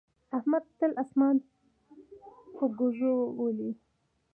احمد تل اسمان په ګوزو ولي.